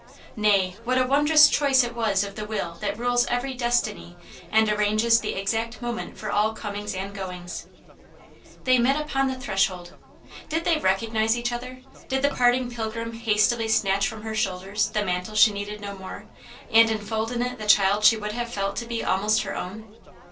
Nay, what a wondrous choice it was of the Will that rules every destiny and arranges the exact moment for all comings and goings I "They met upon the threshold." Did they re cognize each other } Did the parting pilgrim hastily snatch from her shoulders the mantle she needed no more, and enfold in it the child she would have felt to be almost her own